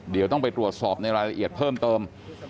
เดี๋ยวต้องไปตรวจสอบในรายละเอียดเพิ่มเติม